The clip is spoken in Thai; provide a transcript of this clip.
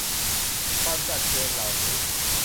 ความจัดเจนเหล่านี้